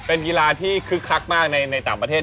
เป็นกีฬาที่คึกคักมากในต่างประเทศ